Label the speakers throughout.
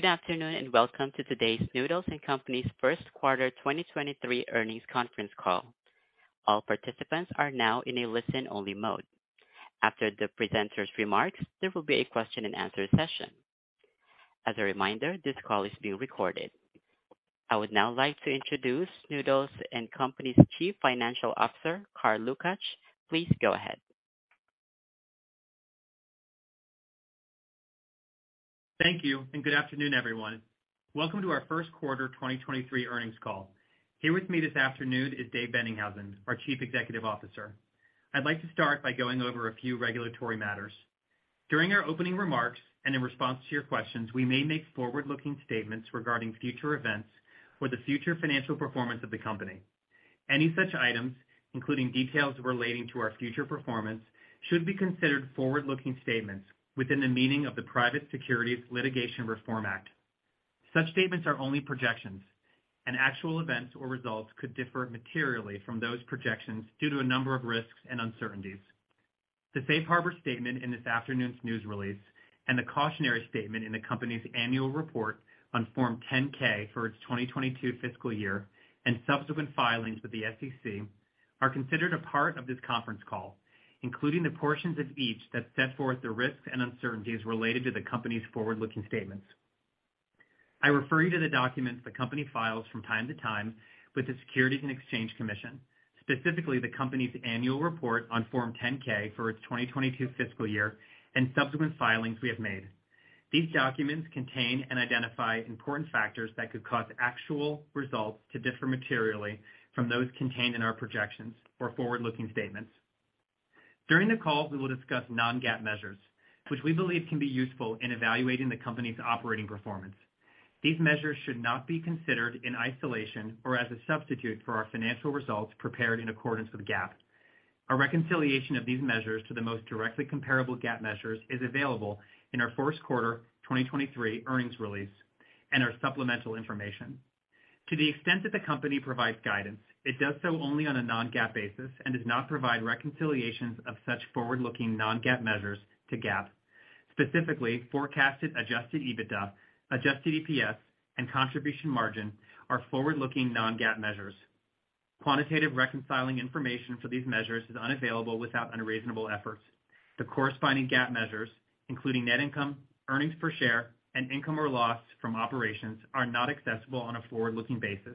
Speaker 1: Good afternoon, and welcome to today's Noodles & Company's first quarter 2023 earnings conference call. All participants are now in a listen-only mode. After the presenters' remarks, there will be a question and answer session. As a reminder, this call is being recorded. I would now like to introduce Noodles & Company's Chief Financial Officer, Carl Lukach. Please go ahead.
Speaker 2: Thank you, good afternoon, everyone. Welcome to our first quarter 2023 earnings call. Here with me this afternoon is Dave Boennighausen, our Chief Executive Officer. I'd like to start by going over a few regulatory matters. During our opening remarks, in response to your questions, we may make forward-looking statements regarding future events or the future financial performance of the company. Any such items, including details relating to our future performance, should be considered forward-looking statements within the meaning of the Private Securities Litigation Reform Act. Such statements are only projections, actual events or results could differ materially from those projections due to a number of risks and uncertainties. The safe harbor statement in this afternoon's news release and the cautionary statement in the company's annual report on Form 10-K for its 2022 fiscal year and subsequent filings with the SEC are considered a part of this conference call, including the portions of each that set forth the risks and uncertainties related to the company's forward-looking statements. I refer you to the documents the company files from time to time with the Securities and Exchange Commission, specifically the company's annual report on Form 10-K for its 2022 fiscal year and subsequent filings we have made. These documents contain and identify important factors that could cause actual results to differ materially from those contained in our projections or forward-looking statements. During the call, we will discuss non-GAAP measures, which we believe can be useful in evaluating the company's operating performance. These measures should not be considered in isolation or as a substitute for our financial results prepared in accordance with GAAP. A reconciliation of these measures to the most directly comparable GAAP measures is available in our first quarter 2023 earnings release and our supplemental information. To the extent that the company provides guidance, it does so only on a non-GAAP basis and does not provide reconciliations of such forward-looking non-GAAP measures to GAAP. Specifically, forecasted adjusted EBITDA, adjusted EPS, and contribution margin are forward-looking non-GAAP measures. Quantitative reconciling information for these measures is unavailable without unreasonable efforts. The corresponding GAAP measures, including net income, earnings per share, and income or loss from operations, are not accessible on a forward-looking basis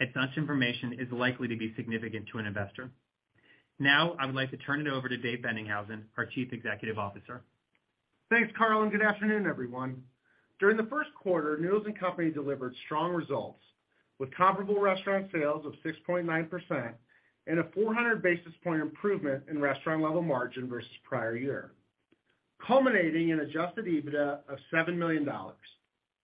Speaker 2: and such information is likely to be significant to an investor. Now I would like to turn it over to Dave Boennighausen, our Chief Executive Officer.
Speaker 3: Thanks, Carl. Good afternoon, everyone. During the first quarter, Noodles & Company delivered strong results with comparable restaurant sales of 6.9% and a 400 basis point improvement in restaurant-level margin versus prior year, culminating in adjusted EBITDA of $7 million,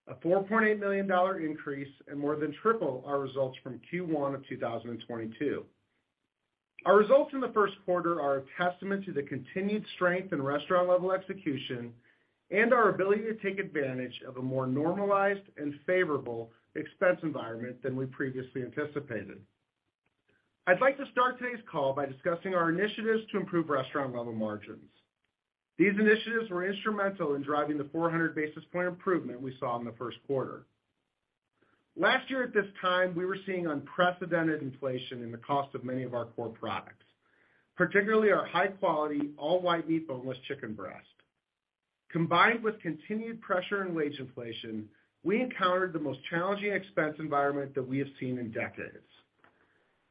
Speaker 3: a $4.8 million increase and more than triple our results from Q1 of 2022. Our results in the first quarter are a testament to the continued strength in restaurant-level execution and our ability to take advantage of a more normalized and favorable expense environment than we previously anticipated. I'd like to start today's call by discussing our initiatives to improve restaurant-level margins. These initiatives were instrumental in driving the 400 basis point improvement we saw in the first quarter. Last year at this time, we were seeing unprecedented inflation in the cost of many of our core products, particularly our high-quality all-white meat boneless chicken breast. Combined with continued pressure and wage inflation, we encountered the most challenging expense environment that we have seen in decades.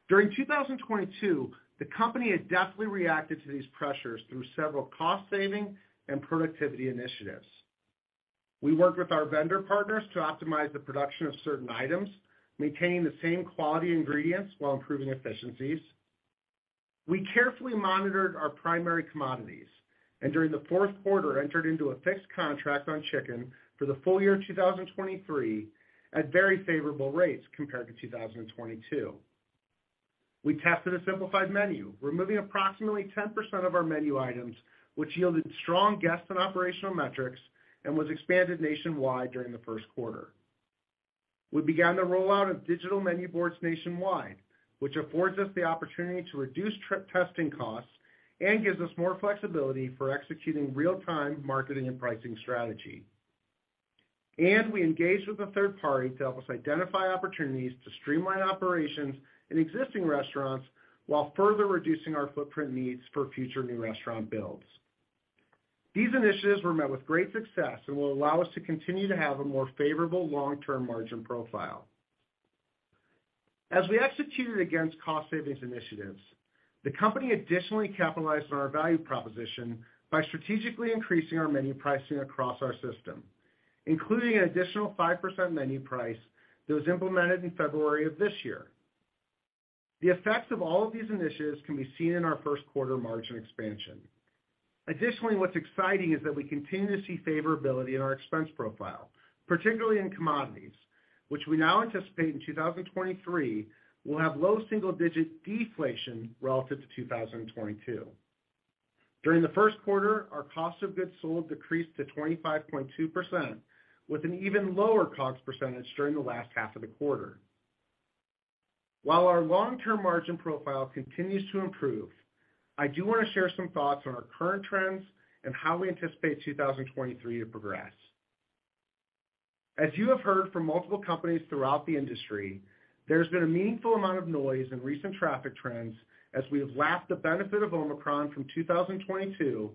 Speaker 3: During 2022, the company had deftly reacted to these pressures through several cost-saving and productivity initiatives. We worked with our vendor partners to optimize the production of certain items, maintaining the same quality ingredients while improving efficiencies. We carefully monitored our primary commodities, and during the fourth quarter, entered into a fixed contract on chicken for the full year 2023 at very favorable rates compared to 2022. We tested a simplified menu, removing approximately 10% of our menu items, which yielded strong guest and operational metrics and was expanded nationwide during the first quarter. We began the rollout of digital menu boards nationwide, which affords us the opportunity to reduce trip testing costs and gives us more flexibility for executing real-time marketing and pricing strategy. We engaged with a third party to help us identify opportunities to streamline operations in existing restaurants while further reducing our footprint needs for future new restaurant builds. These initiatives were met with great success and will allow us to continue to have a more favorable long-term margin profile. As we executed against cost savings initiatives, the company additionally capitalized on our value proposition by strategically increasing our menu pricing across our system, including an additional 5% menu price that was implemented in February of this year. The effects of all of these initiatives can be seen in our first quarter margin expansion. Additionally, what's exciting is that we continue to see favorability in our expense profile, particularly in commodities, which we now anticipate in 2023 will have low single-digit deflation relative to 2022. During the first quarter, our cost of goods sold decreased to 25.2% with an even lower COGS percentage during the last half of the quarter. Our long-term margin profile continues to improve, I do wanna share some thoughts on our current trends and how we anticipate 2023 to progress. As you have heard from multiple companies throughout the industry, there's been a meaningful amount of noise in recent traffic trends as we have lapped the benefit of Omicron from 2022,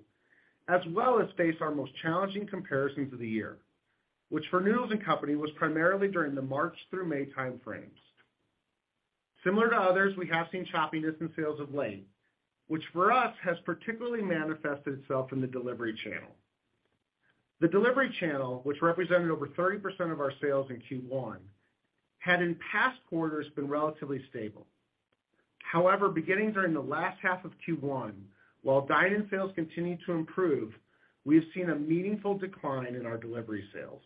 Speaker 3: as well as face our most challenging comparisons of the year, which for Noodles & Company was primarily during the March through May time frames. Similar to others, we have seen choppiness in sales of late, which for us has particularly manifested itself in the delivery channel. The delivery channel, which represented over 30% of our sales in Q1, had in past quarters been relatively stable. However, beginning during the last half of Q1, while dine-in sales continued to improve, we have seen a meaningful decline in our delivery sales.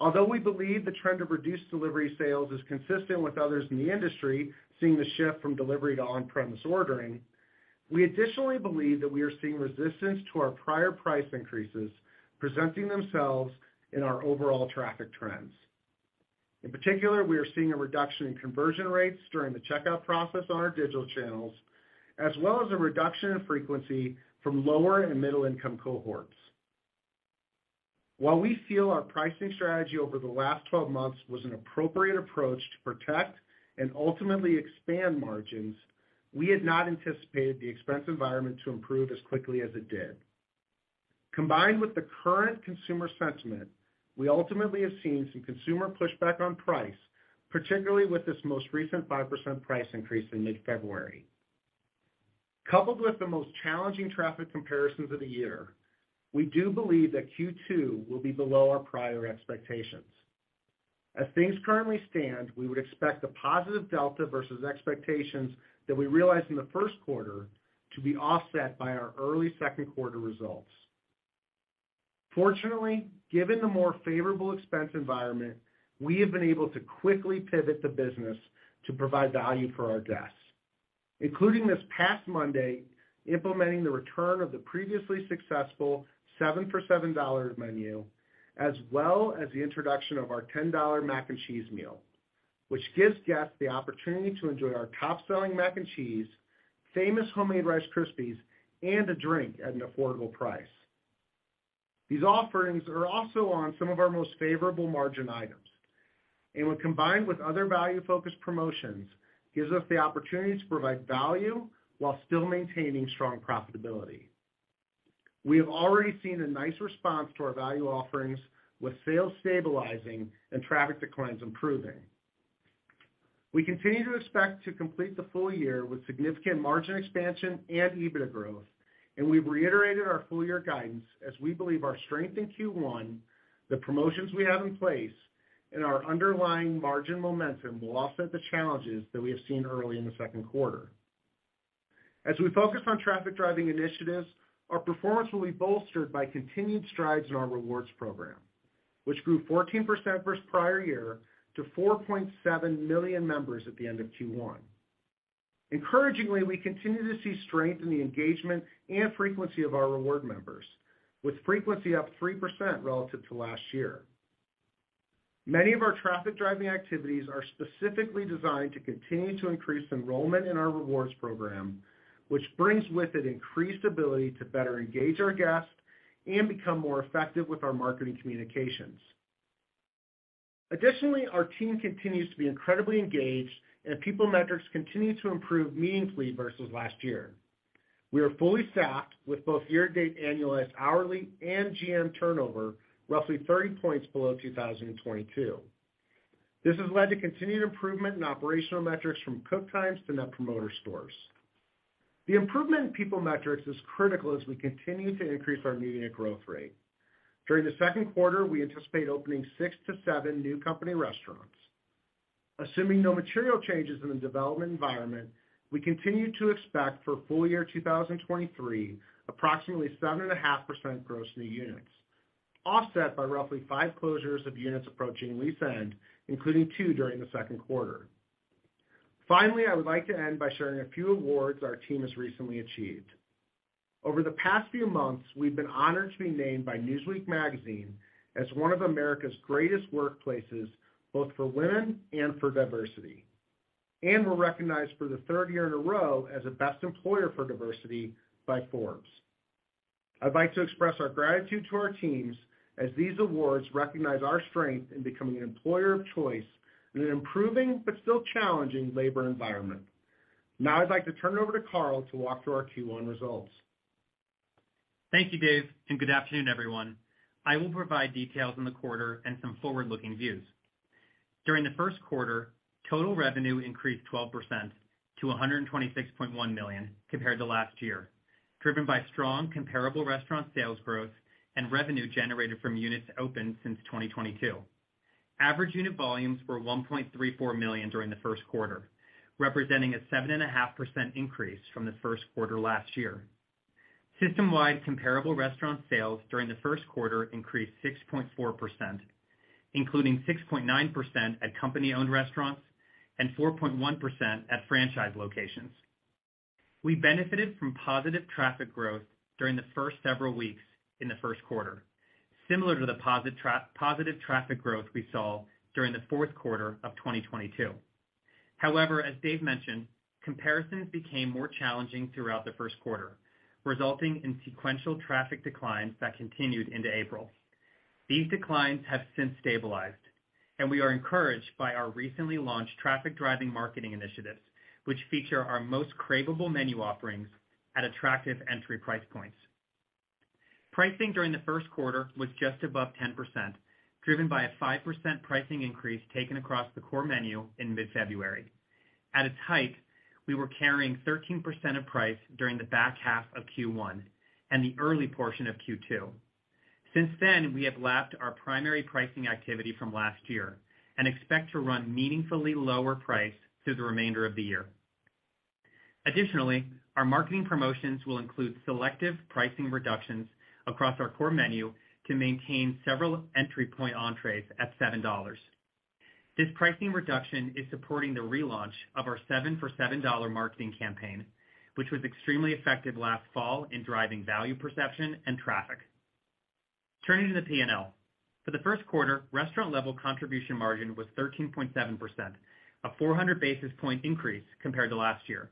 Speaker 3: We believe the trend of reduced delivery sales is consistent with others in the industry seeing the shift from delivery to on-premise ordering, we additionally believe that we are seeing resistance to our prior price increases presenting themselves in our overall traffic trends. In particular, we are seeing a reduction in conversion rates during the checkout process on our digital channels, as well as a reduction in frequency from lower and middle income cohorts. While we feel our pricing strategy over the last 12 months was an appropriate approach to protect and ultimately expand margins, we had not anticipated the expense environment to improve as quickly as it did. Combined with the current consumer sentiment, we ultimately have seen some consumer pushback on price, particularly with this most recent 5% price increase in mid-February. Coupled with the most challenging traffic comparisons of the year, we do believe that Q2 will be below our prior expectations. As things currently stand, we would expect a positive delta versus expectations that we realized in the first quarter to be offset by our early second quarter results. Fortunately, given the more favorable expense environment, we have been able to quickly pivot the business to provide value for our guests, including this past Monday, implementing the return of the previously successful Seven for Seven Dollars menu, as well as the introduction of our $10 Mac & Cheese meal, which gives guests the opportunity to enjoy our top-selling Mac & Cheese, famous homemade Rice Krispies, and a drink at an affordable price. These offerings are also on some of our most favorable margin items, when combined with other value-focused promotions, gives us the opportunity to provide value while still maintaining strong profitability. We have already seen a nice response to our value offerings with sales stabilizing and traffic declines improving. We continue to expect to complete the full year with significant margin expansion and EBITDA growth, we've reiterated our full year guidance as we believe our strength in Q1, the promotions we have in place, and our underlying margin momentum will offset the challenges that we have seen early in the second quarter. As we focus on traffic-driving initiatives, our performance will be bolstered by continued strides in our rewards program, which grew 14% versus prior year to 4.7 million members at the end of Q1. Encouragingly, we continue to see strength in the engagement and frequency of our reward members, with frequency up 3% relative to last year. Many of our traffic-driving activities are specifically designed to continue to increase enrollment in our rewards program, which brings with it increased ability to better engage our guests and become more effective with our marketing communications. Our team continues to be incredibly engaged and our people metrics continue to improve meaningfully versus last year. We are fully staffed with both year-to-date annualized hourly and GM turnover roughly 30 points below 2022. This has led to continued improvement in operational metrics from cook times to net promoter scores. The improvement in people metrics is critical as we continue to increase our unit growth rate. During the second quarter, we anticipate opening 6 to 7 new company restaurants. Assuming no material changes in the development environment, we continue to expect for full year 2023 approximately 7.5% growth in the units, offset by roughly 5 closures of units approaching lease end, including 2 during the second quarter. Finally, I would like to end by sharing a few awards our team has recently achieved. Over the past few months, we've been honored to be named by Newsweek magazine as one of America's Greatest Workplaces, both for women and for diversity. We're recognized for the third year in a row as a best employer for diversity by Forbes. I'd like to express our gratitude to our teams as these awards recognize our strength in becoming an employer of choice in an improving but still challenging labor environment. I'd like to turn it over to Carl to walk through our Q1 results.
Speaker 2: Thank you, Dave. Good afternoon, everyone. I will provide details on the quarter and some forward-looking views. During the first quarter, total revenue increased 12% to $126.1 million compared to last year, driven by strong comparable restaurant sales growth and revenue generated from units opened since 2022. Average unit volumes were $1.34 million during the first quarter, representing a 7.5% increase from the first quarter last year. System-wide comparable restaurant sales during the first quarter increased 6.4%, including 6.9% at company-owned restaurants and 4.1% at franchise locations. We benefited from positive traffic growth during the first several weeks in the first quarter, similar to the positive traffic growth we saw during the fourth quarter of 2022. As Dave mentioned, comparisons became more challenging throughout the first quarter, resulting in sequential traffic declines that continued into April. These declines have since stabilized, we are encouraged by our recently launched traffic-driving marketing initiatives, which feature our most cravable menu offerings at attractive entry price points. Pricing during the first quarter was just above 10%, driven by a 5% pricing increase taken across the core menu in mid-February. At its height, we were carrying 13% of price during the back half of Q1 and the early portion of Q2. Since then, we have lapped our primary pricing activity from last year and expect to run meaningfully lower price through the remainder of the year. Additionally, our marketing promotions will include selective pricing reductions across our core menu to maintain several entry point entrees at $7. This pricing reduction is supporting the relaunch of our Seven for Seven Dollars marketing campaign, which was extremely effective last fall in driving value perception and traffic. Turning to the P&L. For the first quarter, restaurant level contribution margin was 13.7%, a 400 basis point increase compared to last year.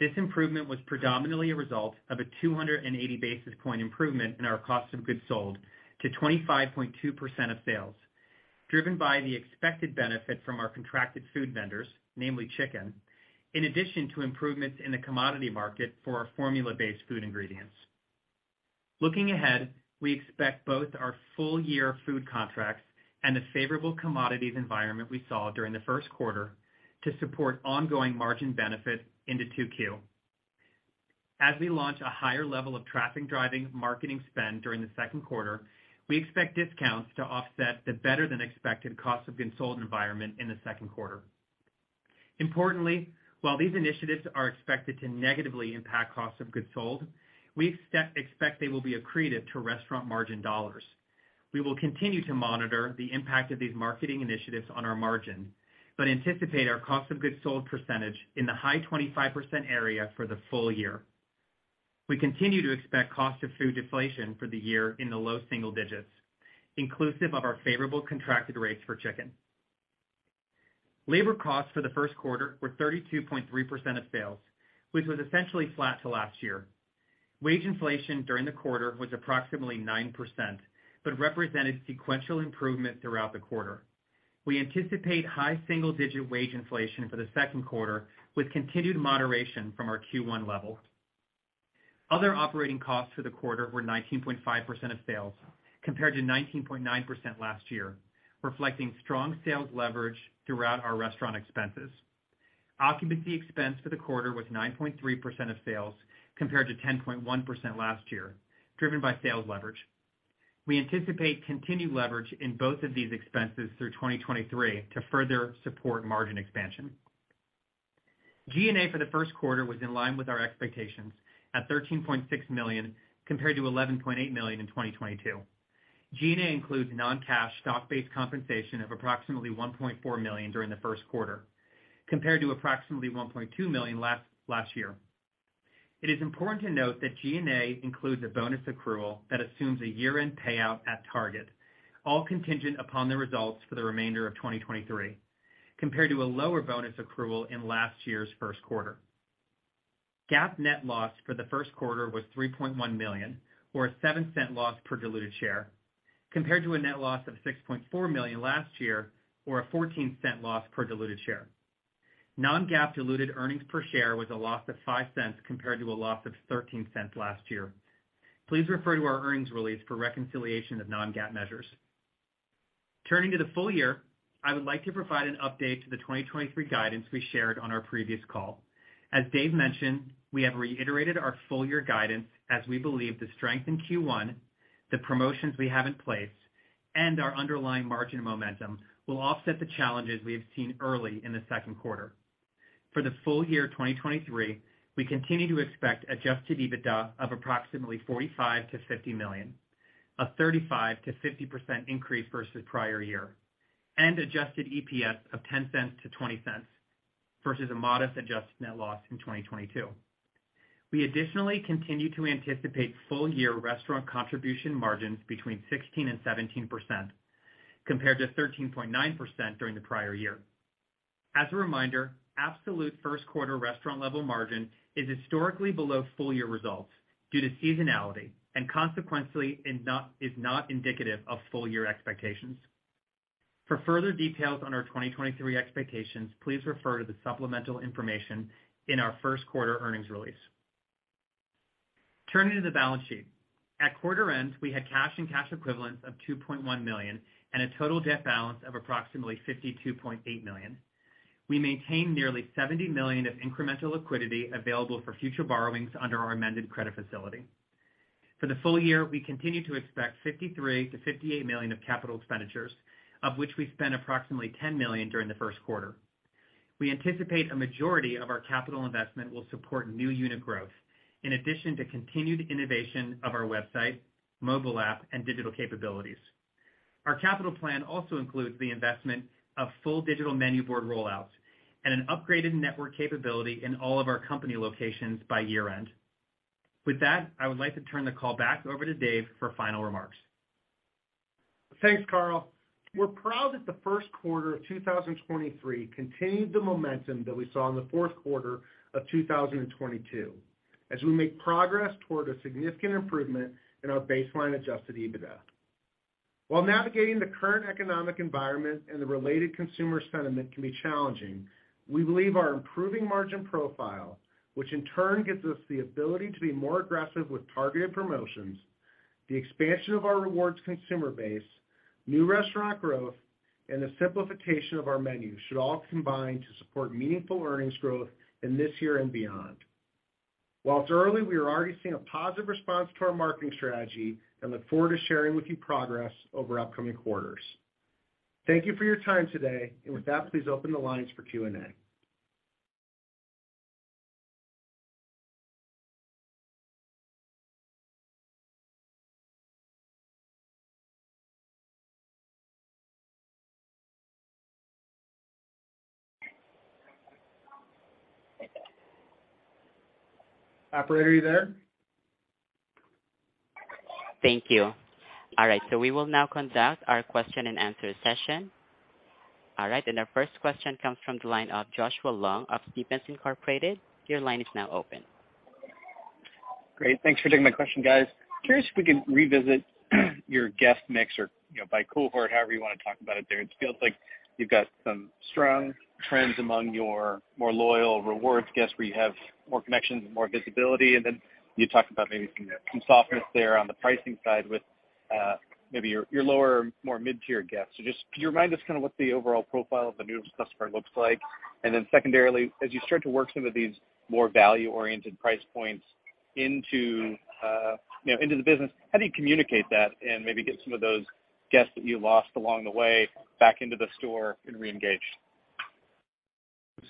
Speaker 2: This improvement was predominantly a result of a 280 basis point improvement in our cost of goods sold to 25.2% of sales, driven by the expected benefit from our contracted food vendors, namely chicken, in addition to improvements in the commodity market for our formula-based food ingredients. Looking ahead, we expect both our full year food contracts and the favorable commodities environment we saw during the first quarter to support ongoing margin benefit into 2Q. As we launch a higher level of traffic-driving marketing spend during the second quarter, we expect discounts to offset the better than expected cost of goods sold environment in the second quarter. Importantly, while these initiatives are expected to negatively impact cost of goods sold, we expect they will be accretive to restaurant margin dollars. We will continue to monitor the impact of these marketing initiatives on our margin, but anticipate our cost of goods sold percentage in the high 25% area for the full year. We continue to expect cost of food deflation for the year in the low single digits, inclusive of our favorable contracted rates for chicken. Labor costs for the first quarter were 32.3% of sales, which was essentially flat to last year. Wage inflation during the quarter was approximately 9%, but represented sequential improvement throughout the quarter. We anticipate high single-digit wage inflation for the second quarter with continued moderation from our Q1 level. Other operating costs for the quarter were 19.5% of sales, compared to 19.9% last year, reflecting strong sales leverage throughout our restaurant expenses. Occupancy expense for the quarter was 9.3% of sales compared to 10.1% last year, driven by sales leverage. We anticipate continued leverage in both of these expenses through 2023 to further support margin expansion. G&A for the first quarter was in line with our expectations at $13.6 million compared to $11.8 million in 2022. G&A includes non-cash stock-based compensation of approximately $1.4 million during the first quarter, compared to approximately $1.2 million last year. It is important to note that G&A includes a bonus accrual that assumes a year-end payout at target, all contingent upon the results for the remainder of 2023, compared to a lower bonus accrual in last year's first quarter. GAAP net loss for the first quarter was $3.1 million, or a $0.07 loss per diluted share, compared to a net loss of $6.4 million last year or a $0.14 loss per diluted share. Non-GAAP diluted earnings per share was a loss of $0.05, compared to a loss of $0.13 last year. Please refer to our earnings release for reconciliation of non-GAAP measures. Turning to the full year, I would like to provide an update to the 2023 guidance we shared on our previous call. As Dave mentioned, we have reiterated our full year guidance as we believe the strength in Q1, the promotions we have in place, and our underlying margin momentum will offset the challenges we have seen early in the second quarter. For the full year 2023, we continue to expect adjusted EBITDA of approximately $45 million-$50 million, a 35%-50% increase versus prior year, and adjusted EPS of $0.10-$0.20 versus a modest adjusted net loss in 2022. We additionally continue to anticipate full year restaurant contribution margins between 16%-17%, compared to 13.9% during the prior year. As a reminder, absolute first quarter restaurant level margin is historically below full year results due to seasonality and consequently is not indicative of full year expectations. For further details on our 2023 expectations, please refer to the supplemental information in our first quarter earnings release. Turning to the balance sheet. At quarter end, we had cash and cash equivalents of $2.1 million and a total debt balance of approximately $52.8 million. We maintained nearly $70 million of incremental liquidity available for future borrowings under our amended credit facility. For the full year, we continue to expect $53 million-$58 million of capital expenditures, of which we spent approximately $10 million during the first quarter. We anticipate a majority of our capital investment will support new unit growth, in addition to continued innovation of our website, mobile app, and digital capabilities. Our capital plan also includes the investment of full digital menu board rollouts and an upgraded network capability in all of our company locations by year-end. With that, I would like to turn the call back over to Dave for final remarks.
Speaker 3: Thanks, Carl. We're proud that the 1st quarter of 2023 continued the momentum that we saw in the 4th quarter of 2022 as we make progress toward a significant improvement in our baseline adjusted EBITDA. While navigating the current economic environment and the related consumer sentiment can be challenging, we believe our improving margin profile, which in turn gives us the ability to be more aggressive with targeted promotions, the expansion of our rewards consumer base, new restaurant growth, and the simplification of our menu should all combine to support meaningful earnings growth in this year and beyond. While it's early, we are already seeing a positive response to our marketing strategy and look forward to sharing with you progress over upcoming quarters. Thank you for your time today. With that, please open the lines for Q&A. Operator, are you there?
Speaker 1: Thank you. All right, we will now conduct our question-and-answer session. All right, our first question comes from the line of Joshua Long of Stephens Inc.. Your line is now open.
Speaker 4: Great. Thanks for taking my question, guys. Curious if we can revisit your guest mix or, you know, by cohort, however you want to talk about it there. It feels like you've got some strong trends among your more loyal rewards guests, where you have more connections and more visibility, and then you talked about maybe some softness there on the pricing side with, maybe your lower, more mid-tier guests. Just can you remind us kind of what the overall profile of the Noodles customer looks like? Secondarily, as you start to work some of these more value-oriented price points into, you know, into the business, how do you communicate that and maybe get some of those guests that you lost along the way back into the store and re-engage?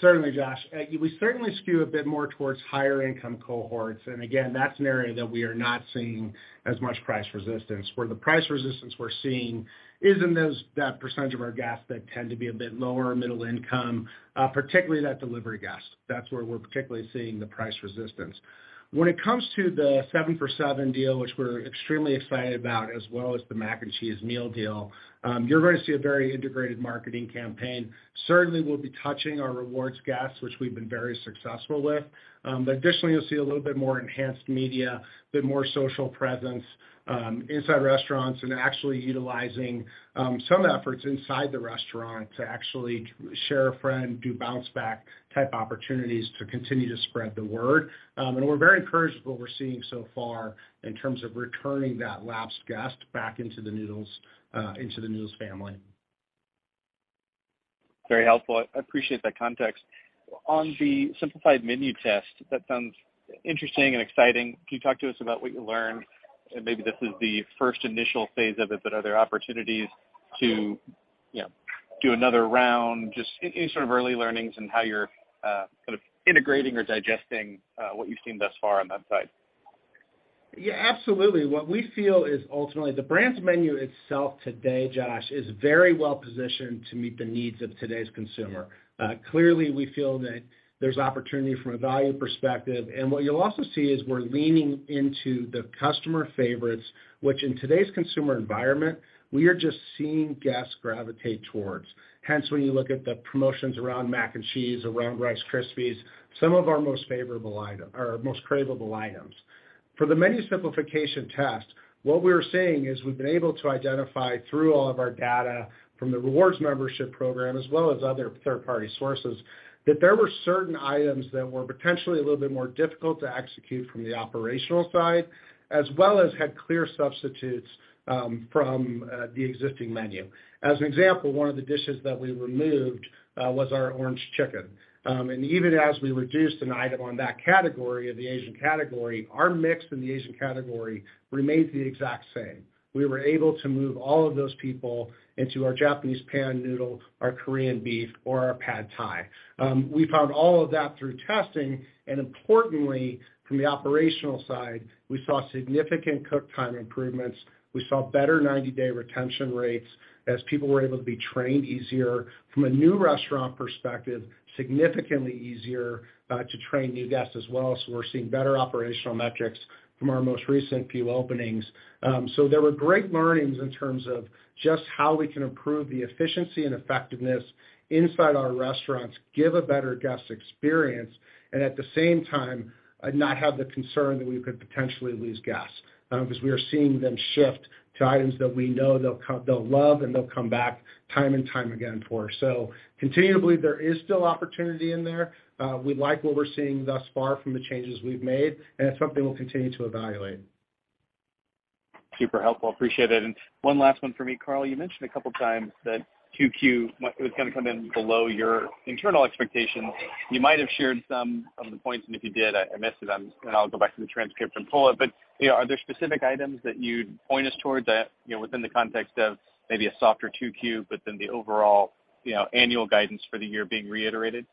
Speaker 3: Certainly, Josh. We certainly skew a bit more towards higher income cohorts, and again, that's an area that we are not seeing as much price resistance. Where the price resistance we're seeing is in that percentage of our guests that tend to be a bit lower middle income, particularly that delivery guest. That's where we're particularly seeing the price resistance. When it comes to the Seven for Seven deal, which we're extremely excited about, as well as the Mac & Cheese meal deal, you're going to see a very integrated marketing campaign. Certainly, we'll be touching our rewards guests, which we've been very successful with. Additionally, you'll see a little bit more enhanced media, a bit more social presence, inside restaurants, and actually utilizing, some efforts inside the restaurant to actually share a friend, do bounce back type opportunities to continue to spread the word. We're very encouraged with what we're seeing so far in terms of returning that lapsed guest back into the Noodles, into the Noodles family.
Speaker 4: Very helpful. I appreciate that context. On the simplified menu test, that sounds interesting and exciting. Can you talk to us about what you learned? Maybe this is the first initial phase of it, but are there opportunities to, you know, do another round? Just any sort of early learnings and how you're kind of integrating or digesting what you've seen thus far on that side?
Speaker 3: Absolutely. What we feel is ultimately the brand's menu itself today, Josh, is very well positioned to meet the needs of today's consumer. Clearly, we feel that there's opportunity from a value perspective. What you'll also see is we're leaning into the customer favorites, which in today's consumer environment, we are just seeing guests gravitate towards. Hence, when you look at the promotions around Mac & Cheese, around Rice Krispies, some of our most craveable items. For the menu simplification test, what we're seeing is we've been able to identify through all of our data from the rewards membership program as well as other third-party sources, that there were certain items that were potentially a little bit more difficult to execute from the operational side, as well as had clear substitutes from the existing menu. One of the dishes that we removed was our Orange Chicken. Even as we reduced an item on that category of the Asian category, our mix in the Asian category remains the exact same. We were able to move all of those people into our Japanese Pan Noodles, our Korean Beef, or our Pad Thai. We found all of that through testing, importantly, from the operational side, we saw significant cook time improvements. We saw better 90-day retention rates as people were able to be trained easier. From a new restaurant perspective, significantly easier to train new guests as well. We're seeing better operational metrics from our most recent few openings. There were great learnings in terms of just how we can improve the efficiency and effectiveness inside our restaurants, give a better guest experience, and at the same time, not have the concern that we could potentially lose guests, because we are seeing them shift to items that we know they'll love and they'll come back time and time again for. Continuably, there is still opportunity in there. We like what we're seeing thus far from the changes we've made, and it's something we'll continue to evaluate.
Speaker 4: Super helpful. Appreciate it. One last one for me, Carl. You mentioned a couple times that QQ was going to come in below your internal expectations. You might have shared some of the points, and if you did, I missed it. I'll go back to the transcript and pull it. You know, are there specific items that you'd point us toward that, you know, within the context of maybe a softer Q2, but then the overall, you know, annual guidance for the year being reiterated?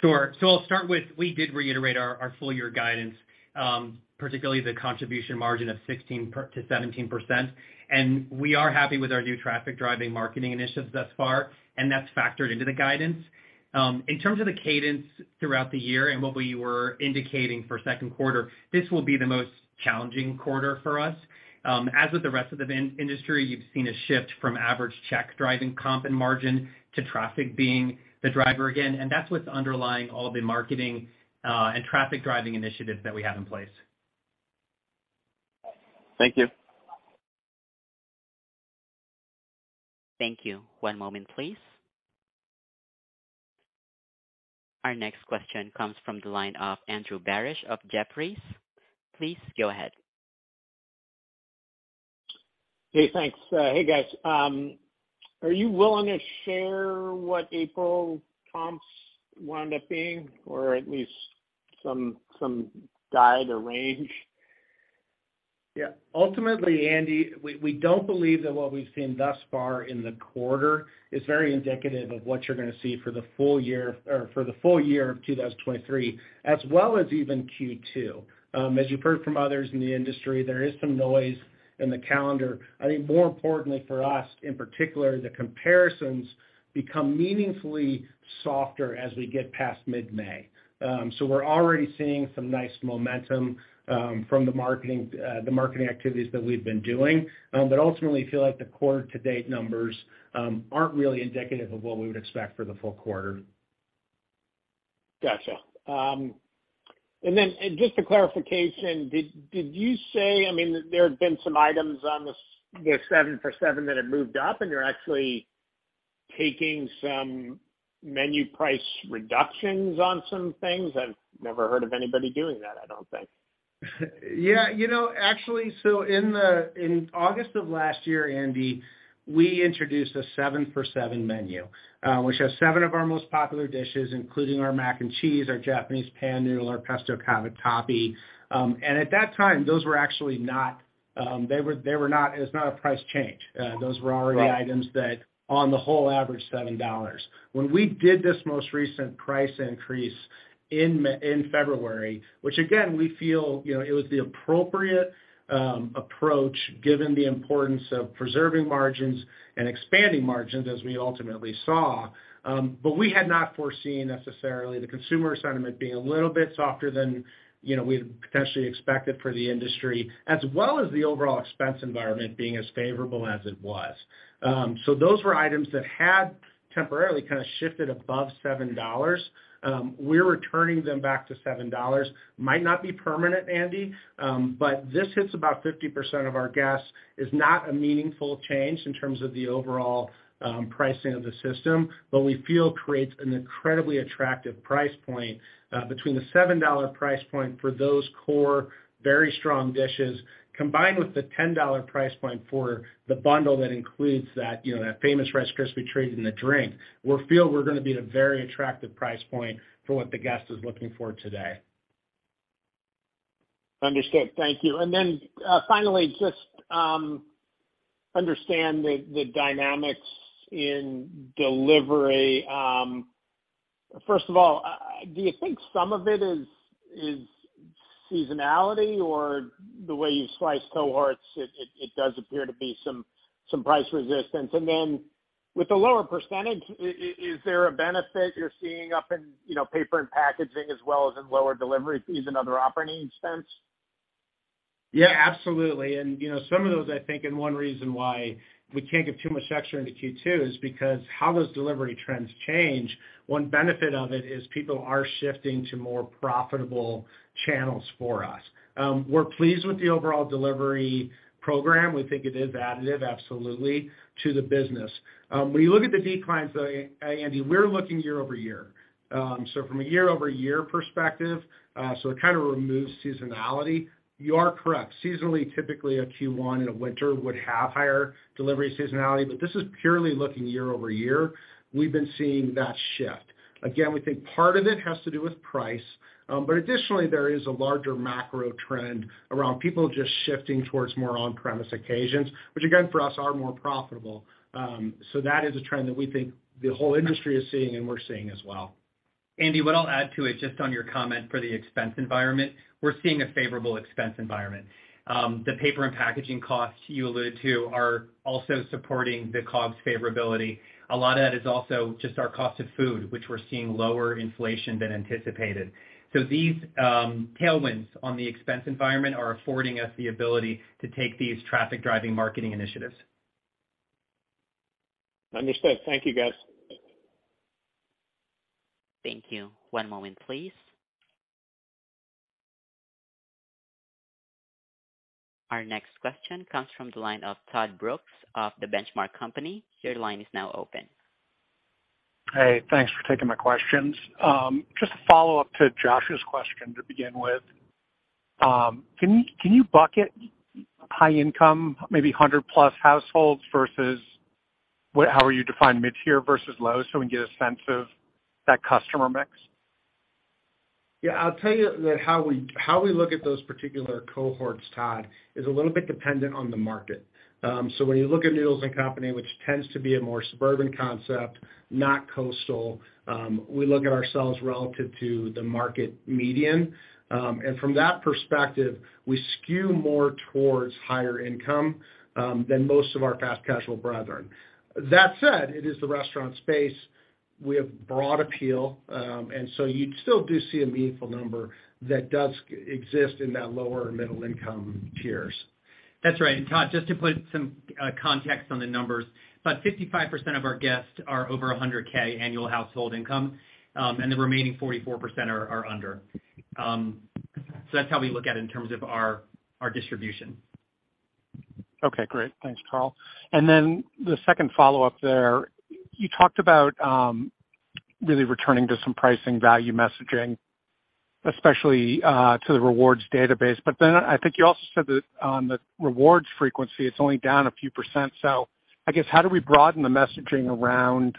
Speaker 2: Sure. I'll start with, we did reiterate our full year guidance, particularly the contribution margin of 16%-17%. We are happy with our new traffic driving marketing initiatives thus far, and that's factored into the guidance. In terms of the cadence throughout the year and what we were indicating for second quarter, this will be the most challenging quarter for us. As with the rest of the industry, you've seen a shift from average check driving comp and margin to traffic being the driver again, and that's what's underlying all of the marketing and traffic driving initiatives that we have in place.
Speaker 1: Thank you. Thank you. One moment, please. Our next question comes from the line of Andy Barish of Jefferies. Please go ahead.
Speaker 5: Hey, thanks. Hey, guys. Are you willing to share what April comps wound up being or at least some guide or range?
Speaker 3: Ultimately, Andy, we don't believe that what we've seen thus far in the quarter is very indicative of what you're gonna see for the full year or for the full year of 2023 as well as even Q2. As you've heard from others in the industry, there is some noise in the calendar. I think more importantly for us, in particular, the comparisons become meaningfully softer as we get past mid-May. We're already seeing some nice momentum from the marketing, the marketing activities that we've been doing. Ultimately feel like the quarter to date numbers aren't really indicative of what we would expect for the full quarter.
Speaker 5: Gotcha. Just a clarification, did you say, I mean, there have been some items on the Seven for Seven that have moved up, and you're actually taking some menu price reductions on some things? I've never heard of anybody doing that, I don't think.
Speaker 3: You know, actually, in August of last year, Andy, we introduced a Seven for Seven menu, which has 7 of our most popular dishes, including our Mac & Cheese, our Japanese Pan Noodles, our Pesto Cavatappi. And at that time, those were actually not, they were not as not a price change. Those were already items that on the whole average $7. When we did this most recent price increase in February, which again we feel, you know, it was the appropriate approach given the importance of preserving margins and expanding margins as we ultimately saw. We had not foreseen necessarily the consumer sentiment being a little bit softer than, you know, we had potentially expected for the industry, as well as the overall expense environment being as favorable as it was. Those were items that had temporarily kind of shifted above $7. We're returning them back to $7. Might not be permanent, Andy, but this hits about 50% of our guests, is not a meaningful change in terms of the overall pricing of the system. We feel creates an incredibly attractive price point between the $7 price point for those core very strong dishes, combined with the $10 price point for the bundle that includes that, you know, that famous Rice Crispy Treat and the drink. We feel we're gonna be at a very attractive price point for what the guest is looking for today.
Speaker 5: Understood. Thank you. Finally, just, understand the dynamics in delivery. First of all, do you think some of it is seasonality or the way you slice cohorts, it does appear to be some price resistance? Then with the lower percentage, is there a benefit you're seeing up in, you know, paper and packaging as well as in lower delivery fees and other operating expense?
Speaker 3: Yeah, absolutely. You know, some of those, I think, one reason why we can't get too much texture into Q2 is because how those delivery trends change. We're pleased with the overall delivery program. We think it is additive, absolutely, to the business. When you look at the declines, though, Andy, we're looking year-over-year. From a year-over-year perspective, it kind of removes seasonality. You are correct. Seasonally, typically a Q1 in a winter would have higher delivery seasonality, this is purely looking year-over-year. We've been seeing that shift. Again, we think part of it has to do with price. Additionally, there is a larger macro trend around people just shifting towards more on-premise occasions, which again for us are more profitable. That is a trend that we think the whole industry is seeing and we're seeing as well.
Speaker 2: Andy, what I'll add to it, just on your comment for the expense environment, we're seeing a favorable expense environment. The paper and packaging costs you alluded to are also supporting the COGS favorability. A lot of that is also just our cost of food, which we're seeing lower inflation than anticipated. These tailwinds on the expense environment are affording us the ability to take these traffic driving marketing initiatives.
Speaker 5: Understood. Thank you, guys.
Speaker 1: Thank you. One moment, please. Our next question comes from the line of Todd Brooks of The Benchmark Company. Your line is now open.
Speaker 6: Hey, thanks for taking my questions. Just a follow-up to Josh's question to begin with. Can you bucket high income, maybe 100+ households versus what, how you define mid-tier versus low, so we can get a sense of that customer mix?
Speaker 3: Yeah, I'll tell you that how we, how we look at those particular cohorts, Todd, is a little bit dependent on the market. When you look at Noodles & Company, which tends to be a more suburban concept, not coastal, we look at ourselves relative to the market median. From that perspective, we skew more towards higher income, than most of our fast casual brethren. That said, it is the restaurant space. We have broad appeal, and so you still do see a meaningful number that does exist in that lower middle income tiers.
Speaker 2: That's right. Todd, just to put some context on the numbers, about 55% of our guests are over 100K annual household income, and the remaining 44% are under. That's how we look at it in terms of our distribution.
Speaker 6: Okay, great. Thanks, Carl. The second follow-up there, you talked about really returning to some pricing value messaging, especially to the rewards database. I think you also said that on the rewards frequency, it's only down a few %. I guess, how do we broaden the messaging around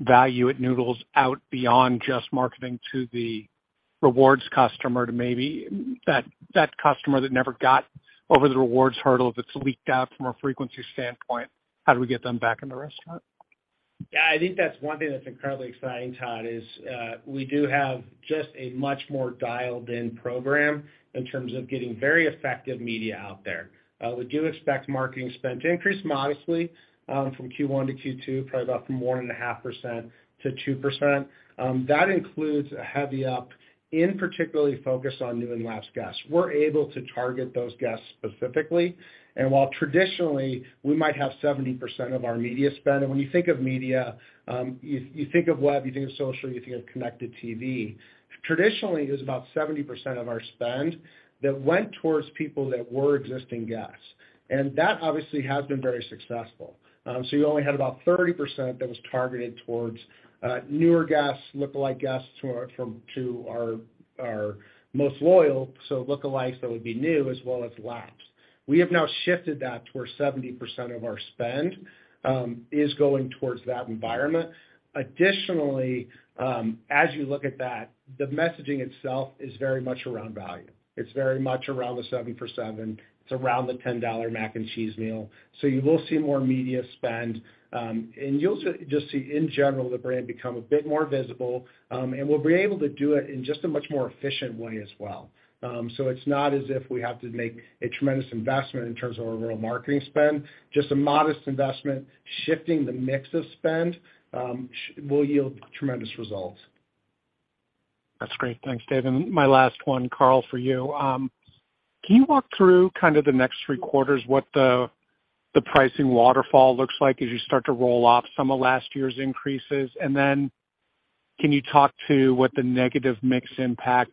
Speaker 6: value at Noodles out beyond just marketing to the rewards customer to maybe that customer that never got over the rewards hurdle that's leaked out from a frequency standpoint? How do we get them back in the restaurant?
Speaker 3: Yeah, I think that's one thing that's incredibly exciting, Todd, is, we do have just a much more dialed in program in terms of getting very effective media out there. We do expect marketing spend to increase modestly, from Q1 to Q2, probably about from 1.5% to 2%. That includes a heavy up in particularly focus on new and lapsed guests. We're able to target those guests specifically. While traditionally we might have 70% of our media spend, and when you think of media, you think of web, you think of social, you think of connected TV. Traditionally, it was about 70% of our spend that went towards people that were existing guests, and that obviously has been very successful. You only had about 30% that was targeted towards newer guests, lookalike guests to our most loyal, so lookalikes that would be new as well as lapsed. We have now shifted that to where 70% of our spend is going towards that environment. Additionally, as you look at that, the messaging itself is very much around value. It's very much around the Seven for Seven, it's around the $10 Mac & Cheese meal. You will see more media spend, and you'll just see in general the brand become a bit more visible, and we'll be able to do it in just a much more efficient way as well. It's not as if we have to make a tremendous investment in terms of our overall marketing spend. Just a modest investment shifting the mix of spend, will yield tremendous results.
Speaker 6: That's great. Thanks, Dave. My last one, Carl, for you. Can you walk through kind of the next three quarters, what the pricing waterfall looks like as you start to roll off some of last year's increases? Can you talk to what the negative mix impact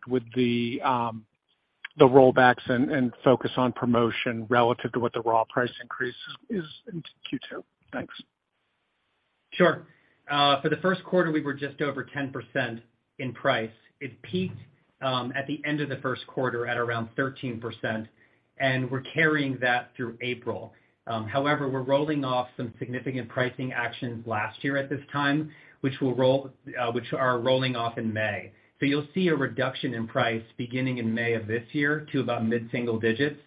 Speaker 6: with the rollbacks and focus on promotion relative to what the raw price increase is in Q2? Thanks.
Speaker 2: Sure. For the first quarter, we were just over 10% in price. It peaked at the end of the first quarter at around 13%, and we're carrying that through April. We're rolling off some significant pricing actions last year at this time, which are rolling off in May. You'll see a reduction in price beginning in May of this year to about mid-single digits.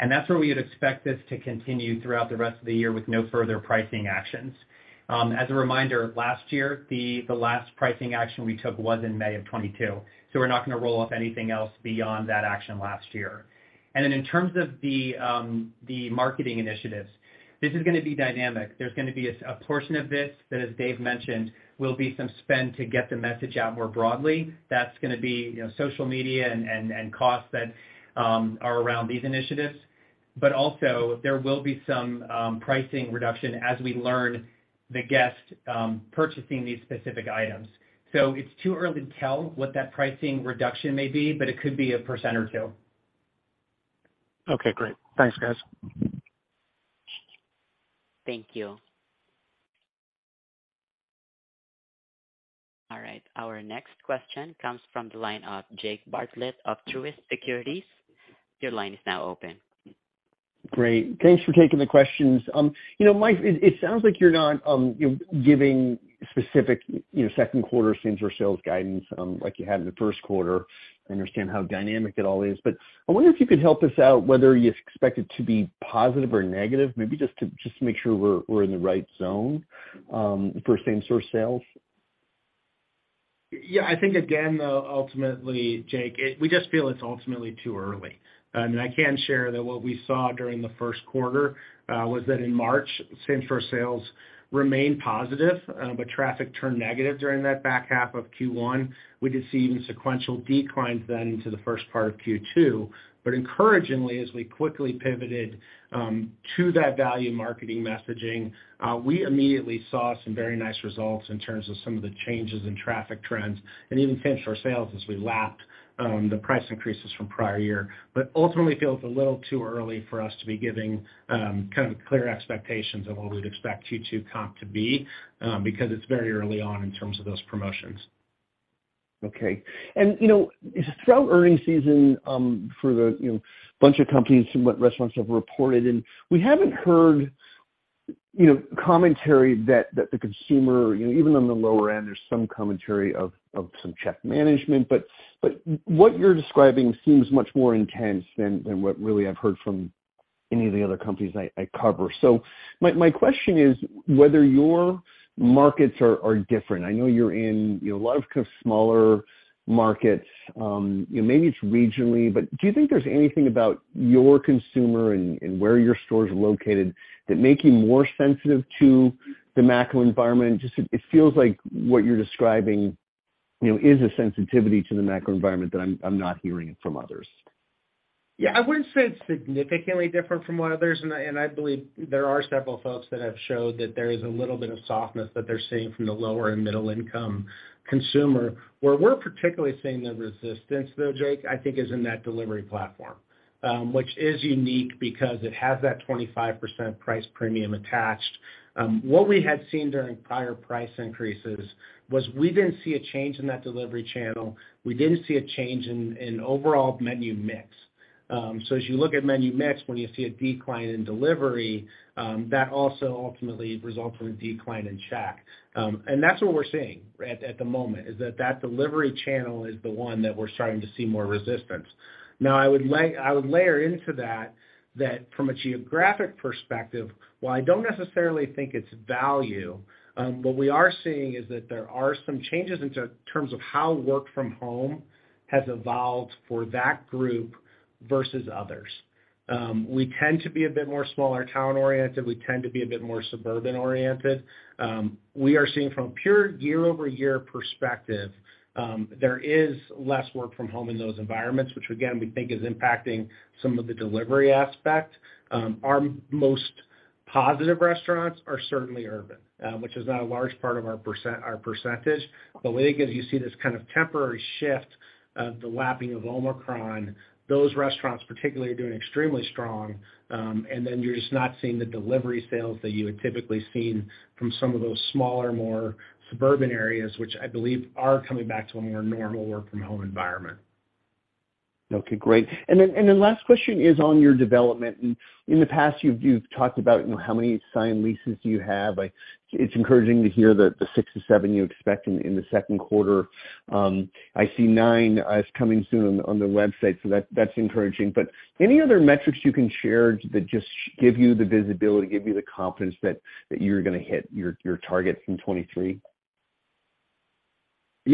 Speaker 2: That's where we would expect this to continue throughout the rest of the year with no further pricing actions. As a reminder, last year, the last pricing action we took was in May of 2022. We're not gonna roll off anything else beyond that action last year. In terms of the marketing initiatives, this is gonna be dynamic. There's gonna be a portion of this that, as Dave mentioned, will be some spend to get the message out more broadly. That's gonna be, you know, social media and costs that are around these initiatives. Also there will be some pricing reduction as we learn the guest purchasing these specific items. It's too early to tell what that pricing reduction may be, but it could be 1% or 2%.
Speaker 6: Okay, great. Thanks, guys.
Speaker 1: Thank you. All right, our next question comes from the line of Jake Bartlett of Truist Securities. Your line is now open.
Speaker 7: Great. Thanks for taking the questions. You know, Dave it sounds like you're not giving specific, you know, second quarter same-store sales guidance, like you had in the first quarter. I understand how dynamic it all is, but I wonder if you could help us out whether you expect it to be positive or negative, maybe just to make sure we're in the right zone for same-store sales.
Speaker 3: I think again, though, ultimately, Jake, we just feel it's ultimately too early. I mean, I can share that what we saw during the first quarter was that in March, same-store sales remained positive, but traffic turned negative during that back half of Q1. We did see even sequential declines then into the first part of Q2. Encouragingly, as we quickly pivoted to that value marketing messaging, we immediately saw some very nice results in terms of some of the changes in traffic trends and even same-store sales as we lapped the price increases from prior year. Ultimately feel it's a little too early for us to be giving kind of clear expectations of what we'd expect Q2 comp to be, because it's very early on in terms of those promotions.
Speaker 7: Okay. You know, throughout earnings season, for the, you know, bunch of companies and what restaurants have reported, we haven't heard commentary that the consumer, you know, even on the lower end, there's some commentary of some check management. What you're describing seems much more intense than what really I've heard from any of the other companies I cover. My question is whether your markets are different. I know you're in, you know, a lot of kind of smaller markets, you know, maybe it's regionally, but do you think there's anything about your consumer and where your stores are located that make you more sensitive to the macro environment? Just, it feels like what you're describing, you know, is a sensitivity to the macro environment that I'm not hearing from others.
Speaker 3: Yeah, I wouldn't say it's significantly different from others, and I believe there are several folks that have showed that there is a little bit of softness that they're seeing from the lower and middle income consumer. Where we're particularly seeing the resistance, though, Jake, I think is in that delivery platform, which is unique because it has that 25% price premium attached. What we had seen during prior price increases was we didn't see a change in that delivery channel. We didn't see a change in overall menu mix. As you look at menu mix, when you see a decline in delivery, that also ultimately results in a decline in check. That's what we're seeing at the moment, is that that delivery channel is the one that we're starting to see more resistance. I would layer into that from a geographic perspective, while I don't necessarily think it's value, what we are seeing is that there are some changes in terms of how work from home has evolved for that group versus others. We tend to be a bit more smaller town-oriented. We tend to be a bit more suburban-oriented. We are seeing from a pure year-over-year perspective, there is less work from home in those environments, which again, we think is impacting some of the delivery aspect. Our most positive restaurants are certainly urban, which is not a large part of our percentage. I think as you see this kind of temporary shift of the lapping of Omicron, those restaurants particularly are doing extremely strong, and then you're just not seeing the delivery sales that you had typically seen from some of those smaller, more suburban areas, which I believe are coming back to a more normal work from home environment.
Speaker 7: Okay, great. Last question is on your development. In the past you've talked about, you know, how many signed leases do you have. Like, it's encouraging to hear that the 6-7 you expect in the second quarter. I see 9 as coming soon on the website, so that's encouraging. Any other metrics you can share that just give you the visibility, give you the confidence that you're gonna hit your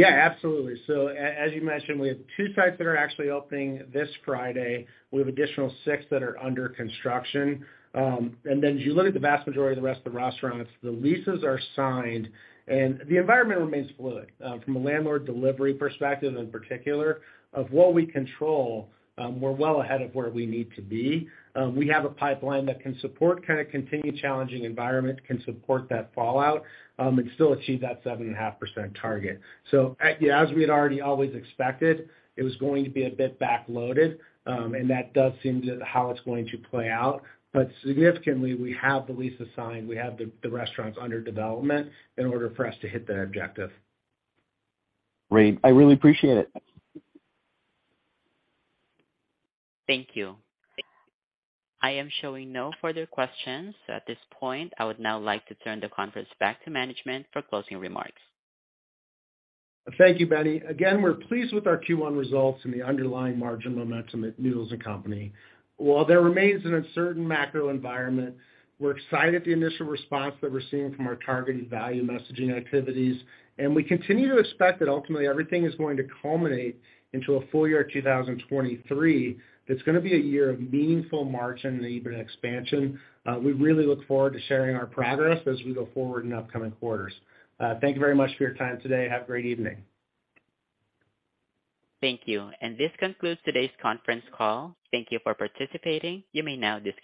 Speaker 7: targets in 2023?
Speaker 3: Yeah, absolutely. As you mentioned, we have 2 sites that are actually opening this Friday. We have additional 6 that are under construction. As you look at the vast majority of the rest of the restaurants, the leases are signed and the environment remains fluid. From a landlord delivery perspective in particular of what we control, we're well ahead of where we need to be. We have a pipeline that can support kinda continued challenging environment, can support that fallout, and still achieve that 7.5% target. As we had already always expected, it was going to be a bit backloaded, and that does seem to how it's going to play out. Significantly, we have the leases signed, we have the restaurants under development in order for us to hit that objective.
Speaker 7: Great. I really appreciate it.
Speaker 1: Thank you. I am showing no further questions. At this point, I would now like to turn the conference back to management for closing remarks.
Speaker 3: Thank you, Benny. Again, we're pleased with our Q1 results and the underlying margin momentum at Noodles & Company. While there remains an uncertain macro environment, we're excited at the initial response that we're seeing from our targeted value messaging activities. We continue to expect that ultimately everything is going to culminate into a full year 2023 that's gonna be a year of meaningful margin and unit expansion. We really look forward to sharing our progress as we go forward in upcoming quarters. Thank you very much for your time today. Have a great evening.
Speaker 1: Thank you. This concludes today's conference call. Thank you for participating. You may now disconnect.